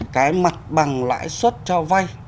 cái mặt bằng lãi suất cho vay